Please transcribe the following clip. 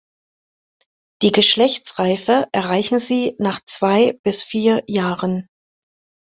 Die Geschlechtsreife erreichen sie nach zwei bis vier Jahren.